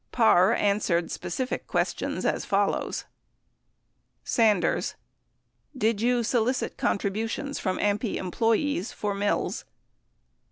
Parr answered specific questions as follows : Sanders. Did you solicit contributions from AMPI em ployees for Mills